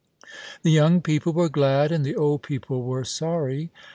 The young peojile were glad and the old people were sorry.